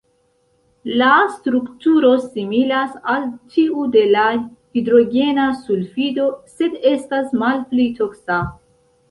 La strukturo similas al tiu de la hidrogena sulfido, sed estas malpli toksa.